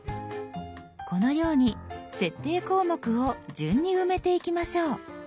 このように設定項目を順に埋めていきましょう。